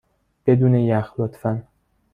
بدون یخ، لطفا.